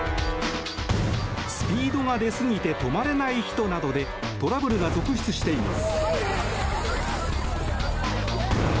スピードが出すぎて止まれない人などでトラブルが続出しています。